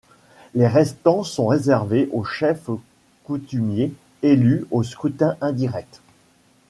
Les restants sont réservés aux chefs coutumiers élus au scrutin indirect.